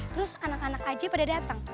terus anak anak aja pada datang